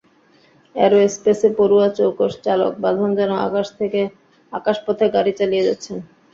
অ্যারোস্পেসে পড়ুয়া চৌকস চালক বাঁধন যেন আকাশ পথে গাড়ি চালিয়ে যাচ্ছেন।